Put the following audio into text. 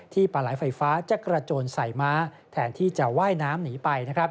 ปลาไหลไฟฟ้าจะกระโจนใส่ม้าแทนที่จะว่ายน้ำหนีไป